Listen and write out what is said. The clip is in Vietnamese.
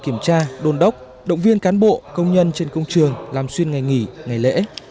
kiểm tra đôn đốc động viên cán bộ công nhân trên công trường làm xuyên ngày nghỉ ngày lễ